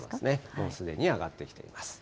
もうすでに上がってきています。